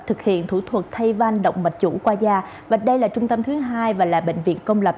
thực hiện thủ thuật thay van động mạch chủ qua da và đây là trung tâm thứ hai và là bệnh viện công lập